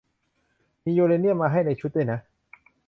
มียูเรเนียมให้มาในชุดด้วยนะ